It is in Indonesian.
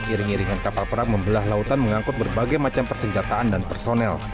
iring iringan kapal perang membelah lautan mengangkut berbagai macam persenjataan dan personel